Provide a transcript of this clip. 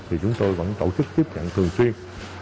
thì chúng tôi vẫn tổ chức tiếp nhận thường xuyên